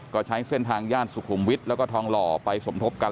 ก็ใช้เส้นทางย่านสุขุมวิทย์แล้วก็ทองหล่อไปสมทบกัน